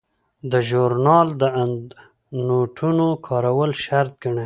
دا ژورنال د اندنوټونو کارول شرط ګڼي.